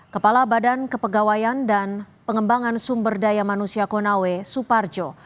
kepala badan kepegawaian dan pengembangan sumber daya manusia konawe suparjo